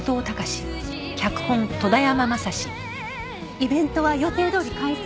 イベントは予定どおり開催？